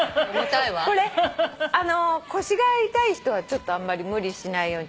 これ腰が痛い人はあんまり無理しないように。